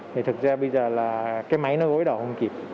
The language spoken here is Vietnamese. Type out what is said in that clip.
thì thực ra bây giờ là cái máy nó gối đầu không kịp